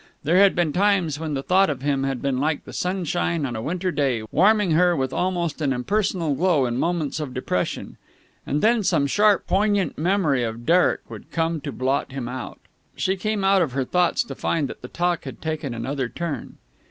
There had been times when the thought of him had been like the sunshine on a winter day, warming her with almost an impersonal glow in moments of depression. And then some sharp, poignant memory of Derek would come to blot him out. She came out of her thoughts to find that the talk had taken another turn.